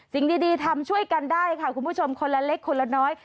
สิ่งดีทำช่วยกันได้ค่ะคุณผู้ชมคนละเล็กคนละน้อย